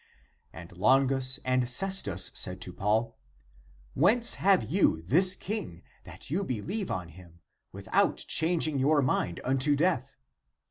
And Longus and Cestus said to Paul, " Whence have you this King that you believe on him, without changing your mind unto death